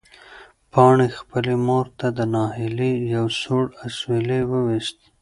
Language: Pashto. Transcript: پاڼې خپلې مور ته د ناهیلۍ یو سوړ اسوېلی وویست.